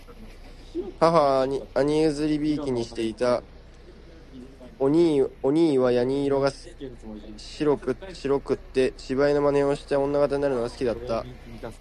母は兄許り贔負にして居た。此兄はやに色が白くつて、芝居の真似をして女形になるのが好きだつた。